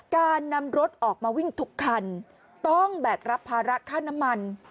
การนำรถออกมาวิ่งทุกคันต้องแบกรับภาระค่าน้ำมัน